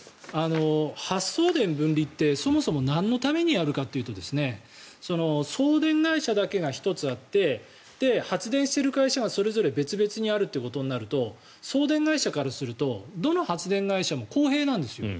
発送電分離って、そもそもなんのためにやるかというと送電会社だけが１つあって発電する会社がそれぞれ別々にあるとなると送電会社からするとどの発電会社も公平なんですよ。